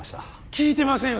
聞いてませんよ